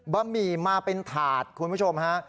บะหมี่มาเป็นถาดคุณผู้ชมฮะ